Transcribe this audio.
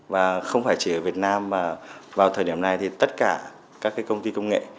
và không phải chỉ ở việt nam mà vào thời điểm này thì tất cả các công ty công nghệ